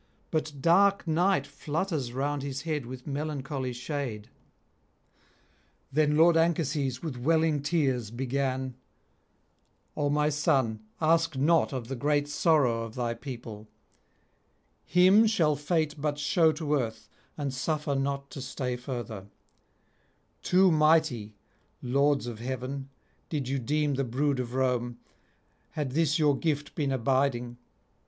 but dark Night flutters round his head with melancholy shade.' Then lord Anchises with welling tears began: 'O my son, ask not of the great sorrow of thy people. Him shall fate but shew to earth, and suffer not to stay further. Too mighty, lords of heaven, did you deem the brood of Rome, had this your gift been abiding.